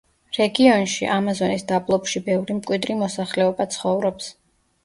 რეგიონში, ამაზონის დაბლობში ბევრი მკვიდრი მოსახლეობა ცხოვრობს.